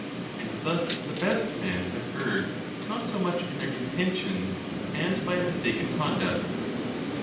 And thus the best men have erred, not so much in their intentions as by a mistaken conduct.